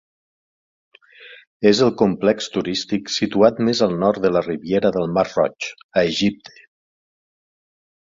És el complex turístic situat més al nord de la Riviera del Mar Roig, a Egipte.